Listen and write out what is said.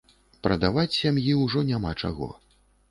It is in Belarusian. Прадаваць сям'і ўжо няма чаго.